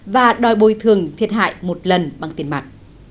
và đòi bồi thường thiệt hại một lần bằng tiền mặt